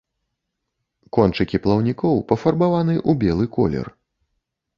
Кончыкі плаўнікоў пафарбаваны ў белы колер.